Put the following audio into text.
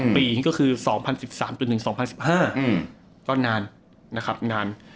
๒ปีก็คือ๒๐๑๓๒๐๑๕ก็นาน